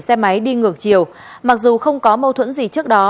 xe máy đi ngược chiều mặc dù không có mâu thuẫn gì trước đó